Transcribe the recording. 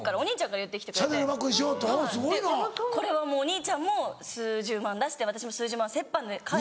これはお兄ちゃんも数十万円出して私も数十万円折半で。